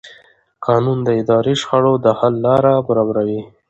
قانون د اداري شخړو د حل لاره برابروي.